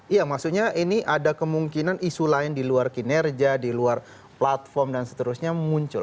iya maksudnya ini ada kemungkinan isu lain di luar kinerja di luar platform dan seterusnya muncul